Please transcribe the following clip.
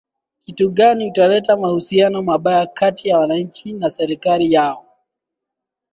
kitu gani utaleta mahusiano mabaya kati ya wananchi na serikali yao